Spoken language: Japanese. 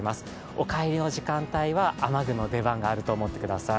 お帰りの時間帯は雨具の出番があると思ってください。